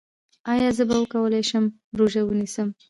ایا زه به وکولی شم روژه ونیسم؟